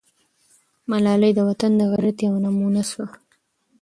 ملالۍ د وطن د غیرت یوه نمونه سوه.